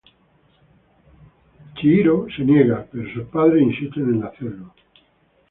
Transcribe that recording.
Chihiro se niega, pero sus padres insisten en hacerlo.